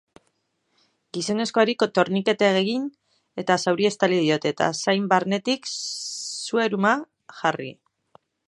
Gizonezkoari torniketea egin eta zauria estali diote, eta zain barnetik sueruma jarri.